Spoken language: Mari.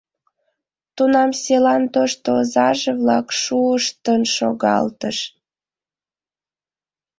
Тунам селан тошто озаже-влак шуыштым шогалтышт.